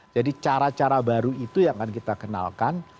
jadi cara cara baru itu yang akan kita kenalkan